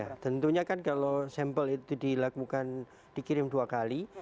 ya tentunya kan kalau sampel itu dilakukan dikirim dua kali